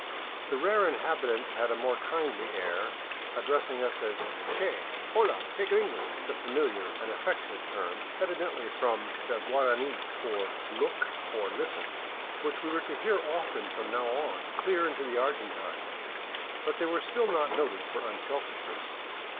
The rare inhabitants had a more kindly air, addressing us as " Che "—" Hola, che gringo !'*— the familiar and affectionate term, evidently from the Guarani for " Look !" or " Listen I ", which we were to hear often from now on clear into the Argentine, but they were still not noted for unselfishness.